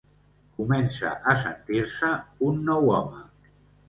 Comença a sentir-se un nou home.